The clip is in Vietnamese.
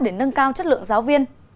để nâng cao chất lượng giáo viên